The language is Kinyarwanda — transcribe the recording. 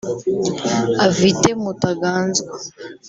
Avite Mutaganzwa